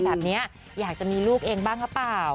แบบนี้อยากจะมีลูกเองบ้างหรือเปล่า